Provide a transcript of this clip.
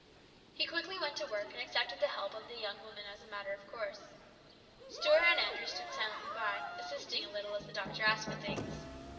He quickly went to work, and accepted the help of the young woman as a matter of course. Stuart and Andrew stood silently by, assisting a little as the doctor asked for things.